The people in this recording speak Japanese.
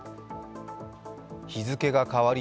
日付が変わり